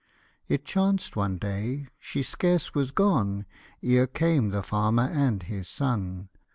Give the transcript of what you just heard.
It chanced one day, she scarce was gone Ere came the fanner and his son.